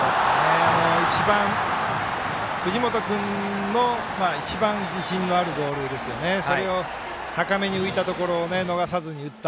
一番、藤本君の一番自信のあるボールそれを高めに浮いたところを逃さずに打った。